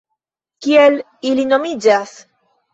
Kiel ili nomiĝas?